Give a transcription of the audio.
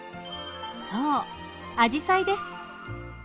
そうアジサイです。